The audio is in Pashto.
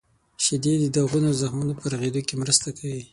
• شیدې د داغونو او زخمونو د رغیدو کې مرسته کوي.